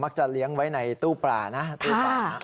จะเลี้ยงไว้ในตู้ปลานะตู้ปลา